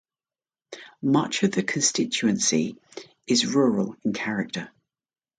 Much of the constituency is rural in character.